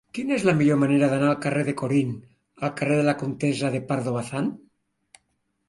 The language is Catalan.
Quina és la millor manera d'anar del carrer de Corint al carrer de la Comtessa de Pardo Bazán?